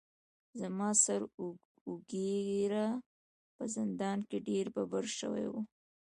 زما سر اوږېره په زندان کې ډیر ببر شوي وو.